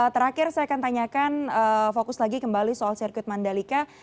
terakhir saya akan tanyakan fokus lagi kembali soal sirkuit mandalika